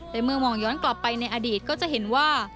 แต่เมื่อมองย้อนกลับไปในอดีตก็จะเห็นว่า